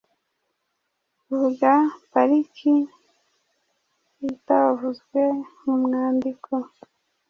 Vuga pariki itavuzwe mu mwandiko?